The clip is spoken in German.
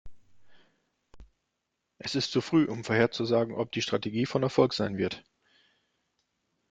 Es ist zu früh, um vorherzusagen, ob die Strategie von Erfolg sein wird.